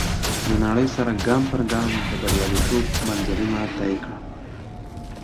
د نړۍ سره ګام پر ګام د برياليتوب منزلونه طی کړه.